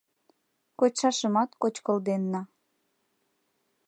Кочшашымат кочкылденна.